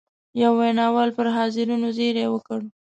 یوه ویناوال پر حاضرینو زېری وکړ.